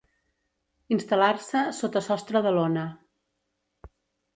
Instal·lar-se sota sostre de lona.